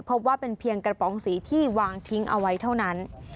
พบว่าเป็นเพียงกระป๋องสีที่วางทิ้งเอาไว้เท่านั้น